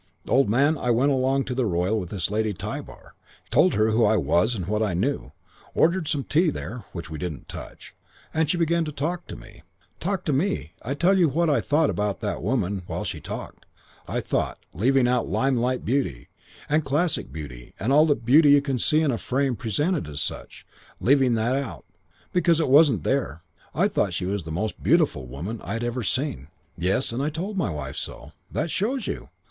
"Old man, I went along to the Royal with this Lady Tybar. Told her who I was and what I knew. Ordered some tea there (which we didn't touch) and she began to talk to me. Talk to me ... I tell you what I thought about that woman while she talked. I thought, leaving out limelight beauty, and classic beauty and all the beauty you can see in a frame presented as such; leaving out that, because it wasn't there, I thought she was the most beautiful woman I had ever seen. Yes, and I told my wife so. That shows you!